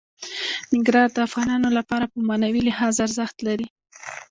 ننګرهار د افغانانو لپاره په معنوي لحاظ ارزښت لري.